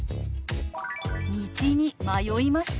「道に迷いました」。